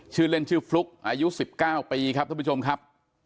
ชื่อเล่นชื่อฟลุ๊กอายุ๑๙ปีครับท่านผู้ชมครับ